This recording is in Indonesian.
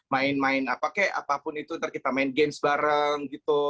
main main apapun itu nanti kita main game bareng gitu